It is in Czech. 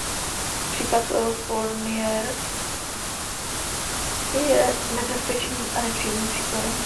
Případ Fourniret je nebezpečným a nepříjemným příkladem.